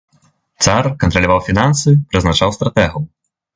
Цар кантраляваў фінансы, прызначаў стратэгаў.